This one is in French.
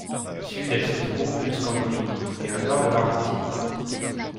Au sud, elle se trouve jusqu'en Bolivie et au nord de l'Argentine.